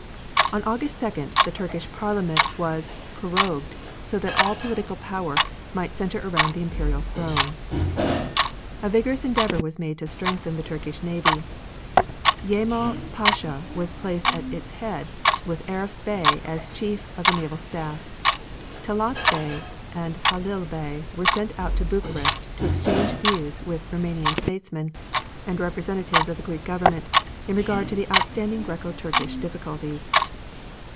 On August 2d the Turkish Parliament was prorogued, so that all political power might center around the Imperial throne. A vigorous endeavor was made to strengthen the Turkish navy. Djemal Pasha was placed at its head with Arif Bey as chief of the naval staff. Talaat Bey and Halil Bey were sent to Bucharest to exchange views with Roumanian statesmen, and representatives of the Greek Government, in regard to the outstanding Greco Turkish difficulties.